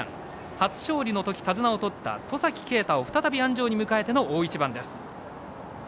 初勝利のとき、手綱をとった戸崎圭太を再び鞍上に迎えての大一番です。